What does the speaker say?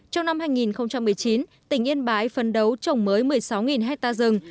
trong năm hai nghìn một mươi chín tỉnh yên bái phấn đấu trồng mới một mươi sáu hectare rừng